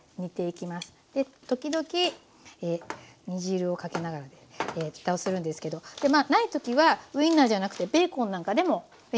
時々煮汁をかけながらふたをするんですけどでまあない時はウインナーじゃなくてベーコンなんかでもいいんですね。